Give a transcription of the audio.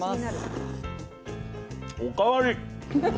お代わり。